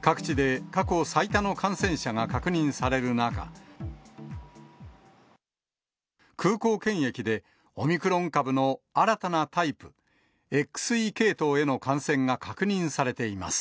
各地で過去最多の感染者が確認される中、空港検疫で、オミクロン株の新たなタイプ、ＸＥ系統への感染が確認されています。